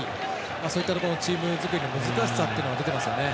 そういったところのチーム作りの難しさというのが出てますよね。